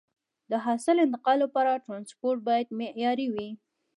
د حاصل انتقال لپاره ترانسپورت باید معیاري وي.